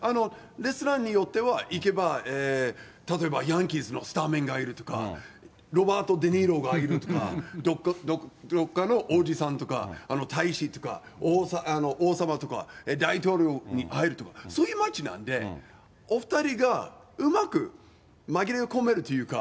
レストランによっては、行けば、例えばヤンキースのスタメンがいるとか、ロバート・デ・ニーロがいるとか、どっかの王子さんとか、大使とか、王様とか大統領に会えるとか、そういう街なんで、お２人がうまく紛れ込めるというか。